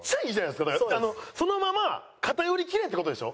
だからあのそのまま偏りきれって事でしょ？